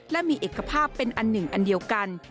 และมีเอกภาพเป็นอันหนึ่งอันเดียวกัน